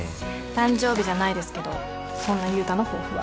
誕生日じゃないですけどそんな悠太の抱負は？